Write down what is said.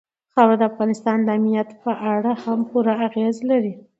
خاوره د افغانستان د امنیت په اړه هم پوره اغېز لري.